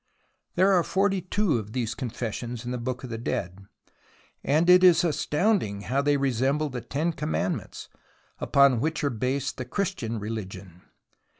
There are forty two of these Confessions in the Book of the Dead, and it is astounding how they resemble the Ten Commandments upon which are based the Christian religion.